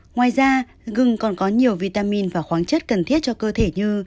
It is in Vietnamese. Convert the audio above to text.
ngoài ra gừng còn có nhiều vitamin và khoáng chất cần thiết cho cơ thể như